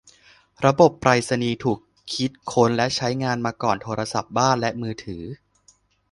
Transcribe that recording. ระบบไปรษณีย์ถูกคิดค้นและใช้งานมาก่อนโทรศัพท์บ้านและมือถือ